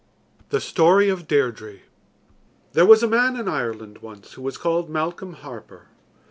THE STORY OF DEIRDRE There was a man in Ireland once who was called Malcolm Harper.